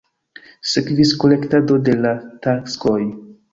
Sekvis korektado de la taskoj.